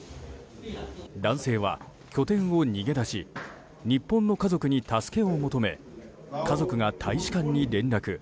男性は拠点を逃げ出し日本の家族に助けを求め家族が大使館に連絡。